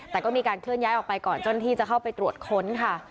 แต่ก็มีการเคลื่อนย้ายออกไปก่อนเจ้าหน้าที่จะเข้าไปตรวจค้นค่ะ